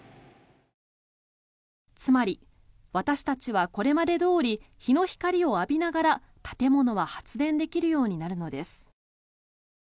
つまり、私たちはこれまでどおり日の光を浴びながら建物は発電できるようになるのです。